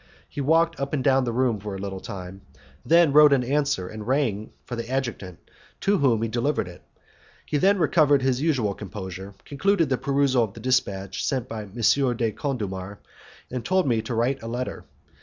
He walked up and down the room for a little time, then wrote an answer and rang for the adjutant, to whom he delivered it. He then recovered his usual composure, concluded the perusal of the dispatch sent by M. de Condulmer, and told me to write a letter.